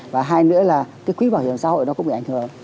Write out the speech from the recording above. và hay nữa là cái quy bảo hiểm xã hội nó cũng bị ảnh hưởng